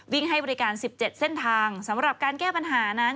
ให้บริการ๑๗เส้นทางสำหรับการแก้ปัญหานั้น